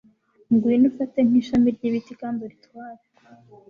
ngwino ufate nkishami ryibiti kandi uritware